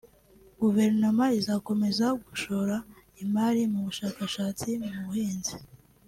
Guverinoma izakomeza gushora imari mu bushakashatsi mu buhinzi